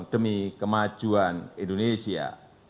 demi kemajuan indonesia